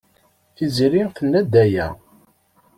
Tiziri tenna-d aya.